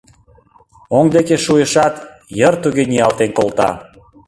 Оҥ деке шуэшат, йыр туге ниялтен колта.